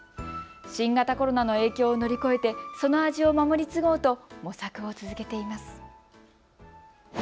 新型コロナの影響を乗り越えてその味を守り継ごうと模索を続けています。